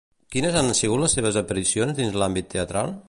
Quines han sigut les seves aparicions dins l'àmbit teatral?